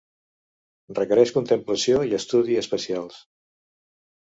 Requereix contemplació i estudi especials.